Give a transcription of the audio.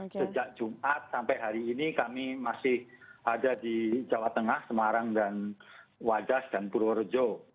sejak jumat sampai hari ini kami masih ada di jawa tengah semarang dan wadas dan purworejo